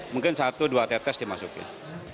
mungkin satu dua tetes dimasukin